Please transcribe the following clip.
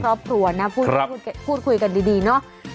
ครอบครัวนะพูดคุยกันดีเนาะ